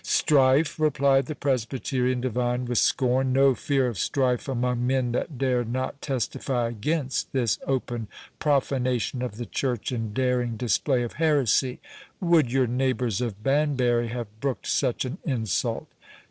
"Strife!" replied the Presbyterian divine, with scorn; "no fear of strife among men that dare not testify against this open profanation of the Church, and daring display of heresy. Would your neighbours of Banbury have brooked such an insult?"